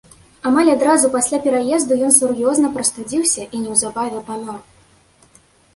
Амаль адразу пасля пераезду ён сур'ёзна прастудзіўся і неўзабаве памёр.